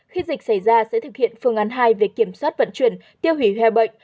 khi dịch xảy ra sẽ thực hiện phương án hai về kiểm soát vận chuyển tiêu hủy heo bệnh